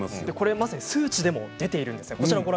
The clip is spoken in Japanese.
まさに数値でも出ているんです。